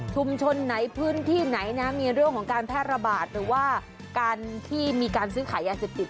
ไหนพื้นที่ไหนนะมีเรื่องของการแพร่ระบาดหรือว่าการที่มีการซื้อขายยาเสพติด